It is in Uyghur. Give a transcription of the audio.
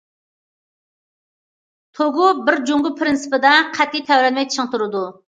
توگو بىر جۇڭگو پىرىنسىپىدا قەتئىي تەۋرەنمەي چىڭ تۇرىدۇ.